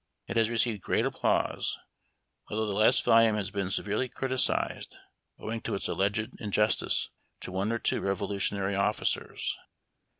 It has received great applause, although the last volume has been severely criticised owing to its alleged injustice to one or two Revolutionary officers.